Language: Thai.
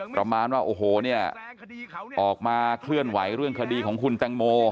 ประมาณว่าโอ้โหออกมาเคลื่อนไหวเลือกฐานของคุณตังโม